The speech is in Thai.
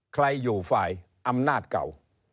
ใครอยู่ฝ่ายอำนาจเก่า